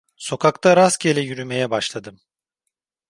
Sokakta rastgele yürümeye başladım.